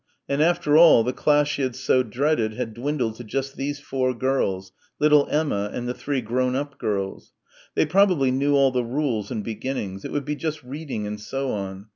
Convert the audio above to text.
And, after all, the class she had so dreaded had dwindled to just these four girls, little Emma and the three grown up girls. They probably knew all the rules and beginnings. It would be just reading and so on.